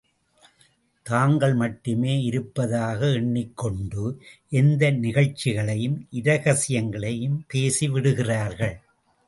தாங்கள் மட்டுமே இருப்பதாக எண்ணிக்கொண்டு, எந்த நிகழ்ச்சிகளையும்—இரகசியங்களையும் பேசி விடுகிறார்கள்.